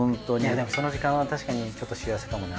でもその時間は確かにちょっと幸せかもな。